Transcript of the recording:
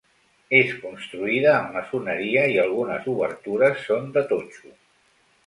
És construïda amb maçoneria i algunes obertures són de totxo.